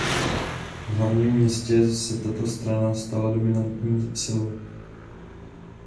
V hlavním městě se tato strana stala dominantní silou.